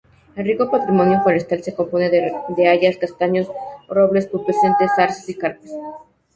El rico patrimonio forestal se compone de hayas, castaños, robles pubescentes, arces y carpes.